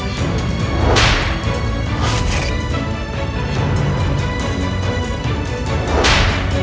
aku bisa menanggung kutukan itu